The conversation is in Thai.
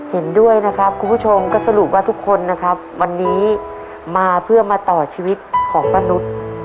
เห็นด้วยนะครับคุณผู้ชมก็สรุปว่าทุกคนนะครับวันนี้มาเพื่อมาต่อชีวิตของป้านุษย์